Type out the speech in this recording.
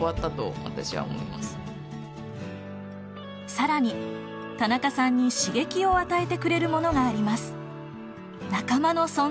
更に田中さんに刺激を与えてくれるものがあります。